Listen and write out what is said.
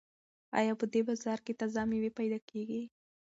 ایا په دې بازار کې تازه مېوې پیدا کیږي؟